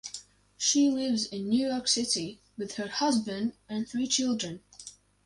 She lives in New York City with her husband and three children.